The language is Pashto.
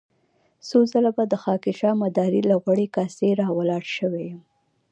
څو ځله به د خاکيشاه مداري له غوړې کاسې را ولاړ شوی يم.